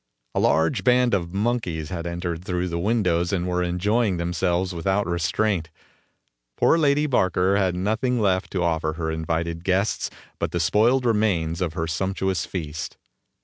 A large band of monkeys had entered through the windows and were enjoying themselves without restraint. Poor Lady Barker had nothing left to offer her invited guests but the spoiled remains of her sumptuous feast.